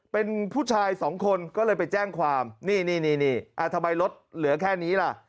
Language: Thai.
เป็นผู้ชายสองคนก็เลยไปแจ้งความนี่นี่ทำไมรถเหลือแค่นี้ล่ะ